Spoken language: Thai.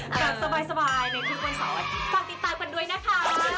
กลับสบายในทุกวันเสาร์อาทิตย์